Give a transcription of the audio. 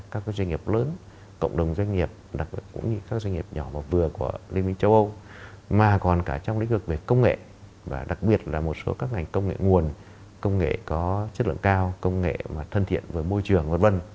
các doanh nghiệp lớn cộng đồng doanh nghiệp đặc biệt cũng như các doanh nghiệp nhỏ và vừa của liên minh châu âu mà còn cả trong lĩnh vực về công nghệ và đặc biệt là một số các ngành công nghệ nguồn công nghệ có chất lượng cao công nghệ mà thân thiện với môi trường v v